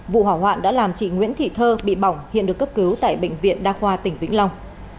vụ hỏa hoạn đã làm chị nguyễn thị thơ bị bỏng hiện được cấp cứu tại bệnh viện đa khoa tỉnh vĩnh long